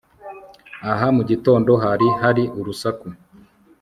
Aha mugitondo hari hari urusak